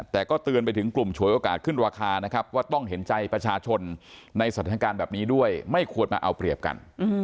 แต่ก็เตือนไปถึงกลุ่มฉวยโอกาสขึ้นราคานะครับว่าต้องเห็นใจประชาชนในสถานการณ์แบบนี้ด้วยไม่ควรมาเอาเปรียบกัน